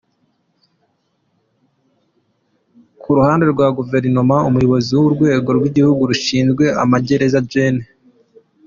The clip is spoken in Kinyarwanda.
Ku ruhande rwa Guverinoma, Umuyobozi w’urwego rw’igihugu rushinzwe amagereza, Gen.